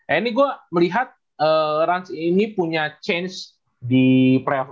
ini gue melihat ranz ini punya change di pre off